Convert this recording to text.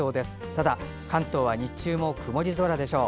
ただ関東は日中も曇り空でしょう。